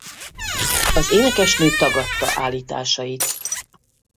Az énekesnő tagadta állításait.